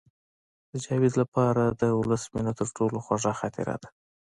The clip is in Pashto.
د جاوید لپاره د ولس مینه تر ټولو خوږه خاطره ده